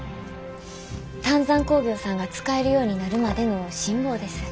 丹山工業さんが使えるようになるまでの辛抱です。